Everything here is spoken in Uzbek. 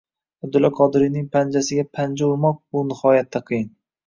Abdulla Qodiriyning “panjasiga panja urmoq” – bu nihoyatda qiyin